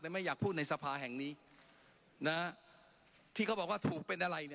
รับผมอยากพูดในสภาแห่งนี้ที่เขาบอกว่าถูกเป็นอะไร